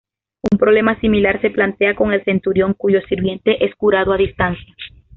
Un problema similar se plantea con el centurión cuyo sirviente es curado a distancia.